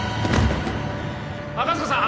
赤塚さん？